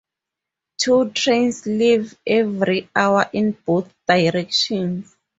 Two trains leave every hour in both directions.